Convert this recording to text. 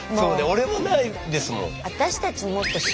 俺もないですもん。